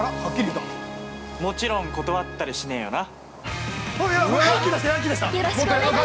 もちろん、断ったりしねえよな。